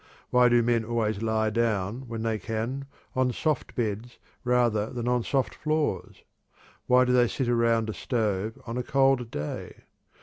Why do men always lie down, when they can, on soft beds rather than on soft floors? Why do they sit around a stove on a cold day?